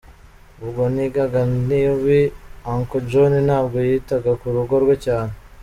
Ubwo nigaga nabi, uncle John ntabwo yitaga ku rugo rwe cyane.